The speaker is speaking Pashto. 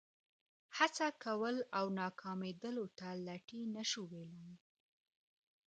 هڅه کول او ناکامېدلو ته لټي نه شو ویلای.